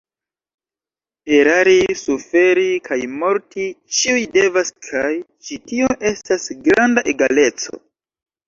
Erari, suferi kaj morti ĉiuj devas kaj ĉi tio estas granda egaleco.